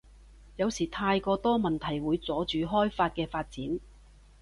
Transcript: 有時太過多問題會阻住開法嘅發展